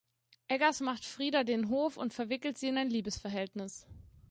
Eggers macht Frieda den Hof und verwickelt sie in ein Liebesverhältnis.